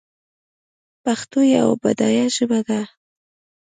پښتو یوه بډایه ژبه ده